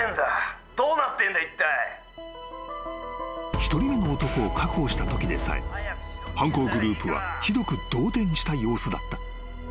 ［１人目の男を確保したときでさえ犯行グループはひどく動転した様子だった］